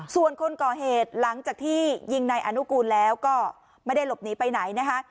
ส่วนคนก่อเหตุหลังจากที่ยิงนายอนุกูลแล้วก็ไม่ได้หลบหนีไปไหนนะคะ